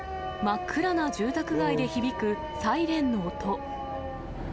真っ暗な住宅街で響くサイレンの音。